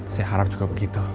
saya harap juga begitu